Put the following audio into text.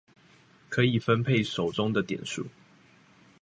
可以分配手中的點數